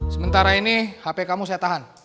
sementara ini hp kamu saya tahan